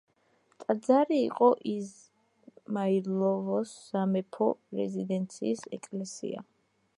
ტაძარი იყო იზმაილოვოს სამეფო რეზიდენციის ეკლესია.